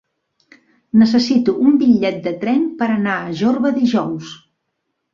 Necessito un bitllet de tren per anar a Jorba dijous.